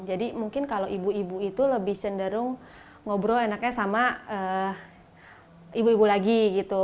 mungkin kalau ibu ibu itu lebih cenderung ngobrol enaknya sama ibu ibu lagi gitu